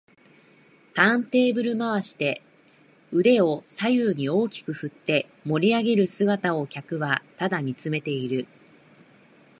ターンテーブル回して腕を左右に大きく振って盛りあげる姿を客はただ見つめている